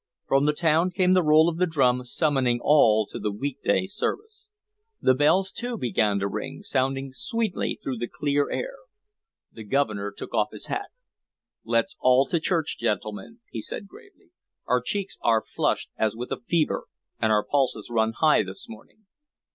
From the town came the roll of the drum summoning all to the week day service. The bells too began to ring, sounding sweetly through the clear air. The Governor took off his hat. "Let's all to church, gentlemen," he said gravely. "Our cheeks are flushed as with a fever and our pulses run high this morning.